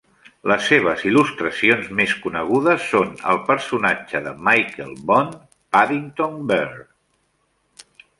Les seves il·lustracions més conegudes són el personatge de Michael Bond, Paddington Bear.